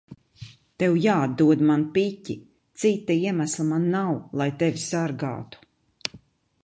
Tev jāatdod man piķi. Cita iemesla man nav, lai tevi sargātu.